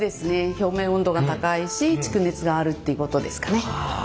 表面温度が高いし蓄熱があるっていうことですかね。